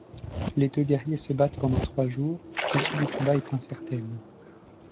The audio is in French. Les deux guerriers se battent pendant trois jours, l’issue du combat est incertaine.